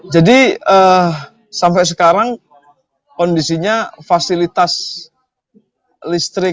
jadi sampai sekarang kondisinya fasilitas listrik